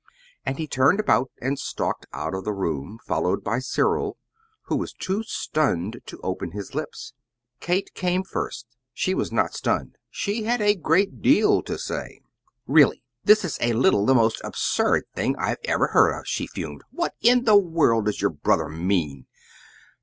And he turned about and stalked out of the room, followed by Cyril, who was too stunned to open his lips. Kate came first. She was not stunned. She had a great deal to say. "Really, this is a little the most absurd thing I ever heard of," she fumed. "What in the world does your brother mean?"